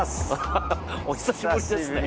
お久しぶりですね。